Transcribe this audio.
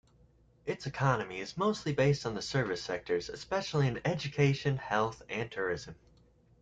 Its economy is mostly based on the service sectors, especially education, health, and tourism.